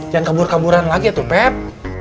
jangan kebur keburan lagi tuh pep